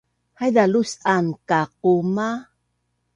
haiza lus’an kaquma